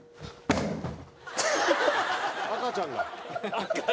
「赤ちゃんが」